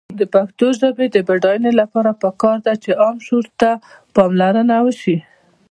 د پښتو ژبې د بډاینې لپاره پکار ده چې عام شعور ته پاملرنه وشي.